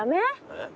えっ？